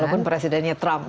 walaupun presidennya trump